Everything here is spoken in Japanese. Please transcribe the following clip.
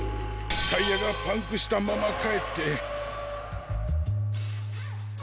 タイヤがパンクしたままかえって。